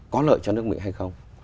có lợi cho nước mỹ hay không